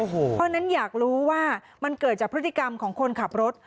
เพราะฉะนั้นอยากรู้ว่ามันเกิดจากพฤติกรรมของคนขับรถ